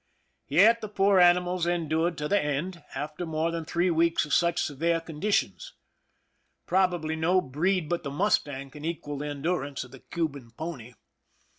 Yet the poor animals endured to the end, after more than three weeks of such severe condi tions. Probably no breed but the mustang can equal the endurance of the Cuban pony.